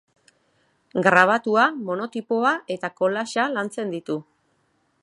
Grabatua, monotipoa eta collagea lantzen ditu.